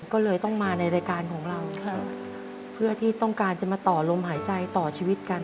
ก็เลยต้องมาในรายการของเราเพื่อที่ต้องการจะมาต่อลมหายใจต่อชีวิตกัน